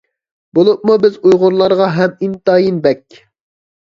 بولۇپمۇ بىز ئۇيغۇرلارغا ھەم ئىنتايىن بەك.